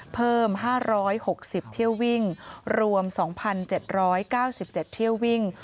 เพิ่ม๕๖๐เที่ยววิ่งรวม๒๗๙๗เที่ยววิ่ง